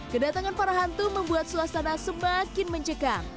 kedatangan para hantu membuat suasana semakin mencekam